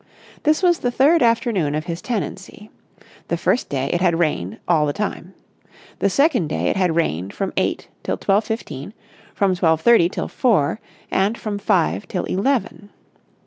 This was the third afternoon of his tenancy. The first day it had rained all the time. The second day it had rained from eight till twelve fifteen, from twelve thirty till four, and from five till eleven.